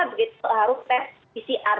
begitu harus tes pcr